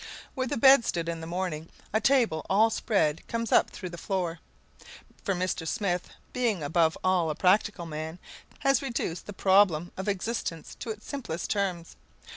Where the bed stood in the morning a table all spread comes up through the floor. For Mr. Smith, being above all a practical man, has reduced the problem of existence to its simplest terms.